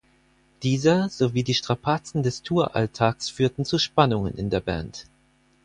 Dieser sowie die Strapazen des Tour-Alltags führten zu Spannungen in der Band.